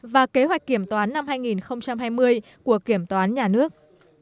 và kế hoạch kiểm toán năm hai nghìn hai mươi của kiểm toán nhà nước